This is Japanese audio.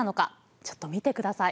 ちょっと見てください。